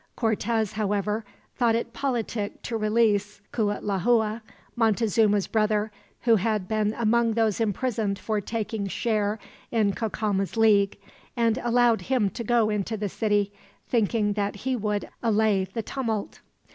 Cortez, however, thought it politic to release Cuitlahua, Montezuma's brother, who had been among those imprisoned for taking share in Cacama's league; and allowed him to go into the city, thinking that he would allay the tumult.